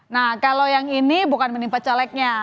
nah kalau yang ini bukan menimpa calegnya